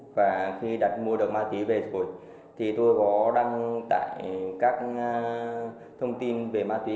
và khi đặt mua được ma túy về rồi thì tôi có đăng tải các thông tin về ma túy